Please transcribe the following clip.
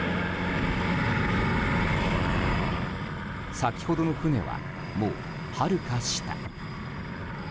先ほどの船は、もうはるか下。